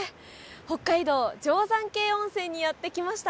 北海道定山渓温泉にやってきました。